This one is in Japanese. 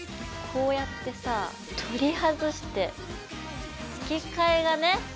こうやってさ取り外して付け替えがね